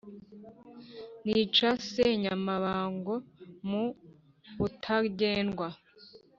Nica Senyamabango mu Butagendwa;